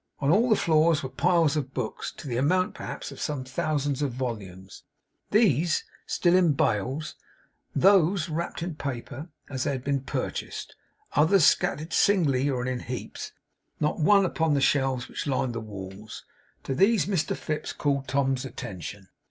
On all the floors were piles of books, to the amount, perhaps, of some thousands of volumes: these, still in bales; those, wrapped in paper, as they had been purchased; others scattered singly or in heaps; not one upon the shelves which lined the walls. To these Mr Fips called Tom's attention.